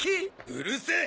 うるせぇ！